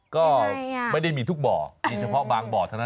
ก็ไม่ได้มีทุกบ่อมีเฉพาะบางบ่อเท่านั้น